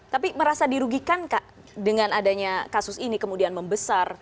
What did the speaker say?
tapi merasa dirugikan kak dengan adanya kasus ini kemudian membesar